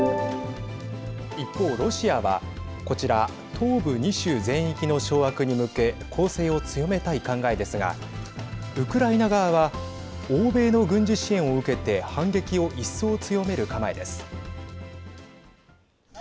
一方、ロシアはこちら、東部２州全域の掌握に向け攻勢を強めたい考えですがウクライナ側は欧米の軍事支援を受けて反撃を一層強める構えです。